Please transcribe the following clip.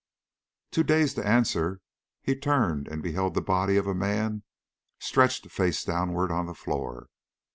Too dazed to answer, he turned and beheld the body of a man stretched face downward on the floor.